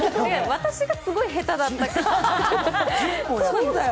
私がすごい下手だった。